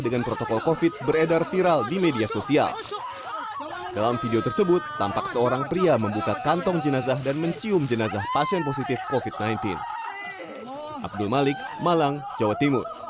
dengan protokol covid akan dijadikan penyakit